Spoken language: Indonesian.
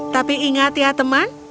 tapi ingat ya teman